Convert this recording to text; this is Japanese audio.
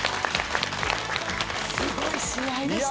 すごい試合でした。